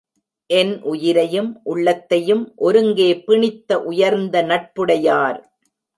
என் உயிரையும் உள்ளத்தையும் ஒருங்கே பிணித்த உயர்ந்த நட்புடையார்!